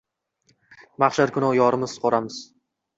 Maxshar kuni yuzi qoramiz